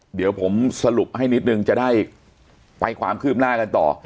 เดี๋ยวผมสรุปให้นิดนึงจะได้ไปความคืบหน้ากันต่อ